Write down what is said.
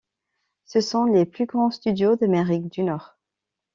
Ce sont les plus grands studios d'Amérique du Nord.